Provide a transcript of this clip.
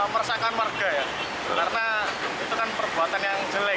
meresahkan warga ya karena itu kan perbuatan yang jelek